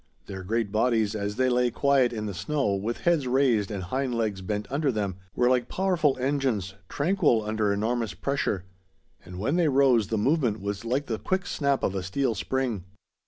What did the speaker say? Their great bodies, as they lay quiet in the snow with heads raised and hind legs bent under them, were like powerful engines, tranquil under enormous pressure; and when they rose the movement was like the quick snap of a steel spring.